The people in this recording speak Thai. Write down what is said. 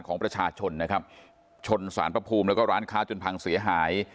ของประชาชนนะครับชนสารพระภูมิแล้วก็ร้านค้าจนพังเสียหาย